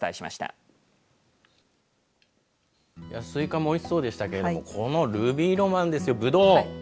すいかもおいしそうでしたけれどもこのルビーロマンですよぶどう。